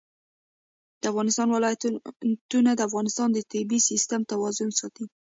د افغانستان ولايتونه د افغانستان د طبعي سیسټم توازن ساتي.